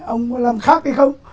ông có làm khác hay không